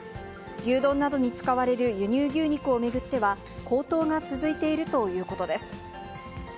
牛丼などに使われる輸入牛肉を巡っては、高騰が続いているということです。